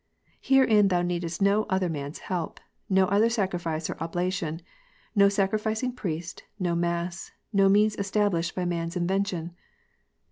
Herein thou needest no other man s help, no other sacrifice or oblation, no sacrificing priest, no mass, no means established by man s invention."